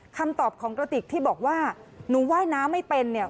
คำตอบของกระติกที่บอกว่าหนูว่ายน้ำไม่เป็นเนี่ย